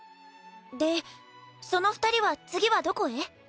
でその二人は次はどこへ？